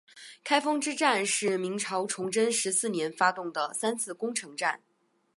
开封之战是明朝崇祯十四年发动的三次攻城战。